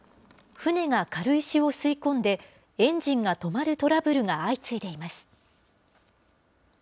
船が軽石を吸い込んで、エンジンが止まるトラブルが相次いでいます。